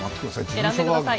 選んで下さい。